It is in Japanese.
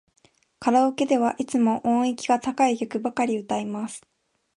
カラオケではいつも音域が高い曲ばかり歌います。